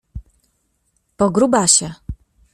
Po grubasie.